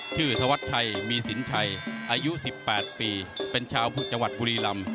ชื่อทวัทไชมีศินไชอายุ๑๘ปีเป็นชาวจังหวัดบุรีรำ